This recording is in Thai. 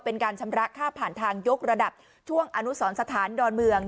เป็นการชำระค่าผ่านทางยกระดับช่วงอนุสรสถานดอนเมือง